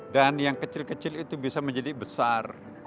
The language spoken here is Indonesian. dan yang kecil kecil itu bisa menjadi besar